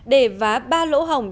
để vá ba lỗ hồng